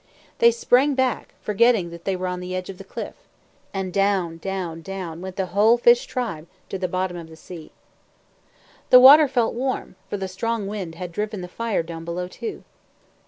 They sprang back, forgetting that they were on the edge of the cliff. And down, down, down, went the whole fish tribe to the bottom of the sea. The water felt warm, for the strong wind had driven the fire down below, too.